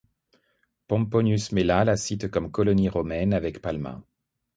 Pomponius Mela la cite comme colonie romaine avec Palma.